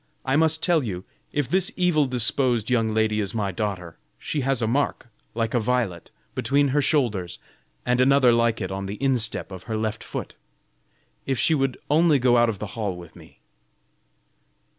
I must tell you, if this evil disposed young lady is my daughter, she has a mark, like a violet, between her shoulders, and another like it on the instep of her left foot. If she would only go out of the hall with me!"